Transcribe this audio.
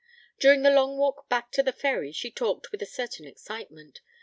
During the long walk back to the ferry she talked with a certain excitement.